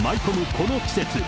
この季節。